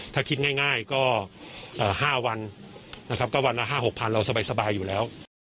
ถ้าคิดง่ายง่ายก็เอ่อห้าวันนะครับก็วันละห้าหกพันเราสบายสบายอยู่แล้ว